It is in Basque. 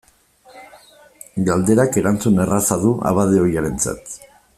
Galderak erantzun erraza du abade ohiarentzat.